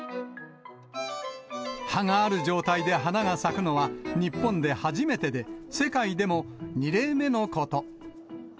葉がある状態で花が咲くのは、日本で初めてで、世界でも２例目のこと。